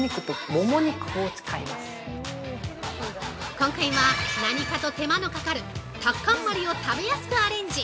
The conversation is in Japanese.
◆今回は、何かと手間のかかるタッカンマリを食べやすくアレンジ！